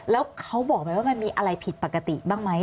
แล้วเขาบอกไหมว่ามันมีอะไรผิดปกติบ้างไหม